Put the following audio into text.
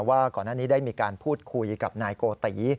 ว่าก่อนหน้านี้ได้มีการพูดคุยกับนายโกติ